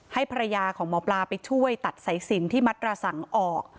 ให้ภรรยาของหมอปลาไปช่วยตัดสายสินที่มัดระสังออก